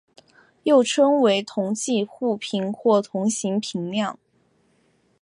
又称为同侪互评或同行评量。